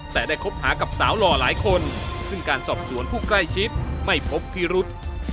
แต่ได้คบหากับสาวหล่อหลายคนซึ่งการสอบสวนผู้ใกล้ชิดไม่พบพิรุษ